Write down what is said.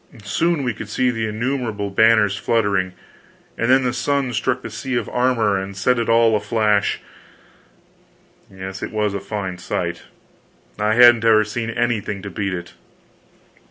Soon we could see the innumerable banners fluttering, and then the sun struck the sea of armor and set it all aflash. Yes, it was a fine sight; I hadn't ever seen anything to beat it.